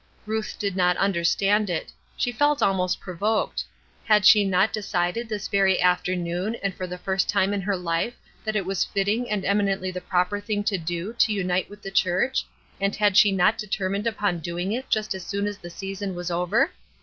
Ruth did not understand it; she felt almost provoked; had she not decided this very afternoon and for the first time in her life that it was fitting and eminently the proper thing to do to unite with the church, and had she not determined upon doing it just as soon as the season was over?